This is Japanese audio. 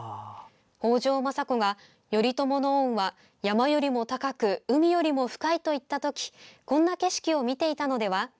北条政子が頼朝の恩は山よりも高く海よりも深いと言った時こんな景色を見ていたのでは？